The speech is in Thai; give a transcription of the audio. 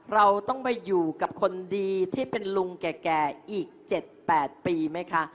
เราต้องไปอยู่กับคนดีที่เป็นลุงแก่อีก๗๘ปีไหมคะ